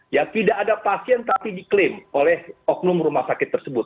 ya tidak ada pasien tapi diklaim oleh oknum rumah sakit tersebut